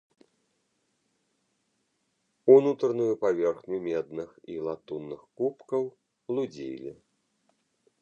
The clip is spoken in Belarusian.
Унутраную паверхню медных і латунных кубкаў лудзілі.